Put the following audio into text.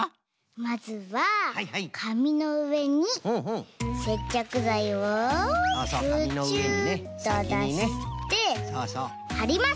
まずはかみのうえにせっちゃくざいをブチュっとだしてはります！